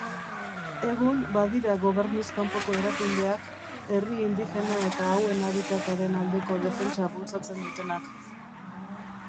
Egun, badira Gobernuz Kanpoko Erakundeak herri indigena eta hauen habitataren aldeko defentsa bultzatzen dutenak.